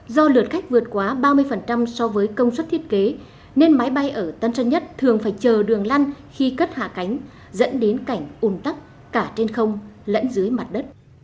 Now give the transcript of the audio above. do lượt khách vượt quá ba mươi so với công suất thiết kế nên máy bay ở tân trang nhất thường phải chờ đường lăn khi cất hạ cánh dẫn đến cảnh ủn tắc cả trên không lẫn dưới mặt đất